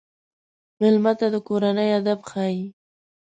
مېلمه ته د کورنۍ ادب ښيي.